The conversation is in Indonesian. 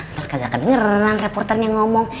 ntar kagak kedengeran reporternya ngomong